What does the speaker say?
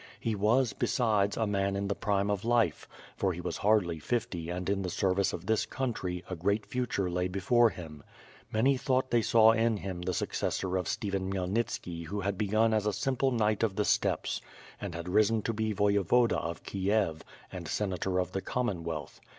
He was, besides, a man in the prime of life, for he was hardly fifty and in the service of this country, a great future lay before him. Many thought they saw in him the successor of Stephen Khymelnitski who had begun as a simple knight of the steppes, and hnd risen to ]>c Toyevoda of Kiev, and senator of the Commonwealth.